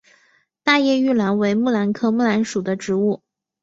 大叶玉兰为木兰科木兰属的植物。